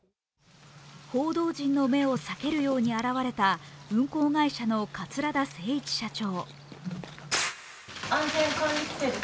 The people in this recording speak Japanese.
報道陣の目を避けるように現れた運航会社の桂田精一社長。